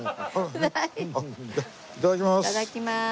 いただきます。